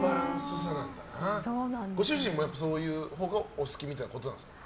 ご主人もそういうのがお好きみたいなことなんですか？